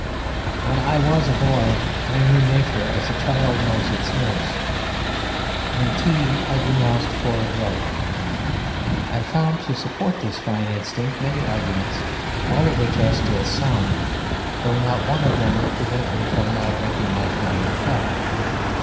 When I was a boy I knew Nature as a child knows its nurse, and Tea I denounced for a drug. I found to support this fine instinct many arguments, all of which are still sound, though not one of them would prevent me now from drinking my twentieth cup.